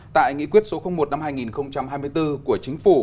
tại nghị quyết số một năm hai nghìn hai mươi bốn của chính phủ